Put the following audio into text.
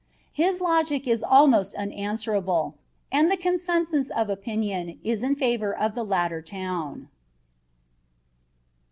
His logic is almost unanswerable, and the consensus of opinion is in favor of the latter town.